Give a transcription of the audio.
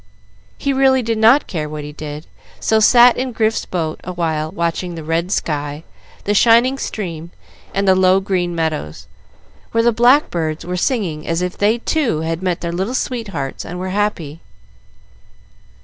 He really did not care what he did, so sat in Grif's boat awhile watching the red sky, the shining stream, and the low green meadows, where the blackbirds were singing as if they too had met their little sweethearts and were happy.